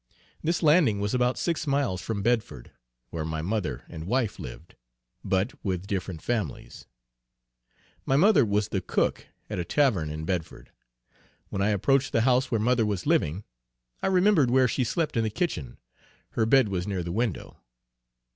This landing was about six miles from Bedford, where my mother and wife lived, but with different families. My mother was the cook at a tavern, in Bedford. When I approached the house where mother was living, I remembered where she slept in the kitchen; her bed was near the window.